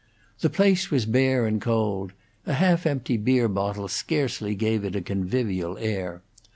The place was bare and cold; a half empty beer bottle scarcely gave it a convivial air.